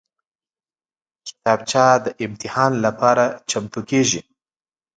کتابچه د امتحان لپاره چمتو کېږي